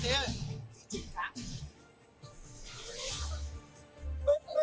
bên trái em ơi